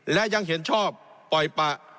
และยังเห็นชอบปล่อยปะ